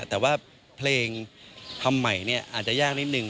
แต่ว่าเพลงทำใหม่เนี่ยอาจจะยากนิดนึง